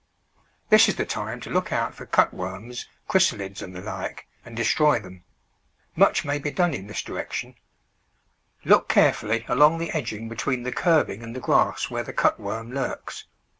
This is the time to look out for cutworms, chrysaHds, and the like, and destroy them. Much may be done in this direction. Look carefully along the edging between the curbing and the grass where the cutworm lurks.